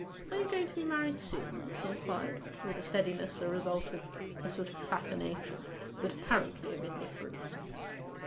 'Are you going to be married soon?' she inquired, with a steadiness the result of a sort of fascination, but apparently of indifference.